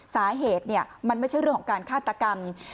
สาเหตุมันไม่ใช่เรื่องของการฆาตกรรม